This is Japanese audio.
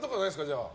じゃあ。